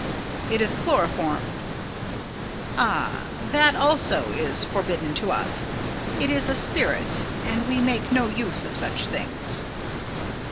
"It is chloroform." "Ah, that also is forbidden to us. It is a spirit, and we make no use of such things."